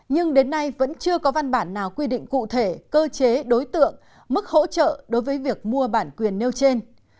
nhưng đến nay vẫn chưa có văn bản nào quy định cụ thể cơ chế đối tượng mức hỗ trợ đối với việc mua bản quyền nêu trên